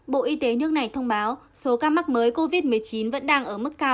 bộ y tế nước này thông báo số ca mắc mới covid một mươi chín vẫn đang ở mức cao